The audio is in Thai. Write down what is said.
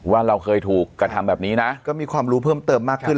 ว่าเราเคยถูกกระทำแบบนี้นะก็มีความรู้เพิ่มเติมมากขึ้น